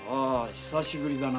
・久しぶりだの。